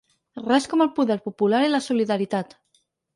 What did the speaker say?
Res com el poder popular i la solidaritat.